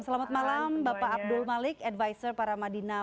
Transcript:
selamat malam bapak abdul malik advisor para madinah